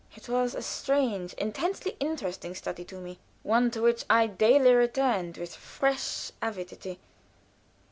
It was a strange, intensely interesting study to me; one to which I daily returned with fresh avidity.